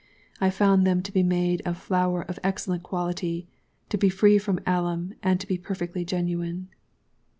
I found them to be made of Flour of excellent Quality, to be free from Alum, and to be PERFECTLY GENUINE.